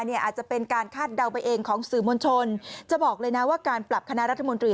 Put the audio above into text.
อาจจะเป็นการคาดเดาไปเองของสื่อมวลชนจะบอกเลยนะว่าการปรับคณะรัฐมนตรี